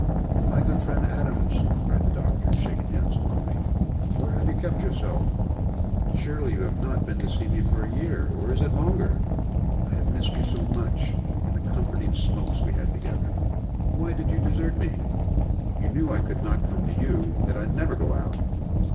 "My good friend Adams!" cried the doctor, shaking hands warmly. "Where have you kept yourself? Surely you have not been to see me for a year, or is it longer? I have missed you so much and the comforting smokes we had together? Why did you desert me? You knew I could not come to you that I never go out.